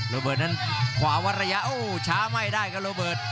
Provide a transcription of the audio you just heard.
โรเบิร์ตนั้นขวาวัดระยะโอ้ช้าไม่ได้ครับโรเบิร์ต